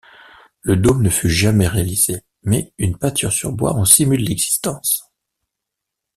Le dôme ne fut jamais réalisé, mais une peinture sur bois en simule l'existence.